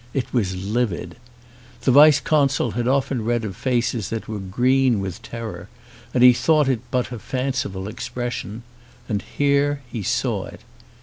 It was livid. The vice consul had often read of faces that were green with terror and he had thought it but a fanciful expression, and here he saw it.